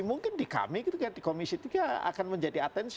mungkin di kami ketika di komisi tiga akan menjadi atensi